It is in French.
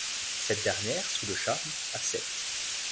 Cette dernière, sous le charme, accepte.